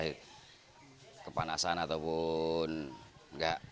hai kepanasan ataupun enggak kuat itu ada empat personil tiap sifnya itu